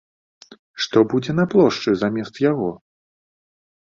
Што будзе на плошчы замест яго?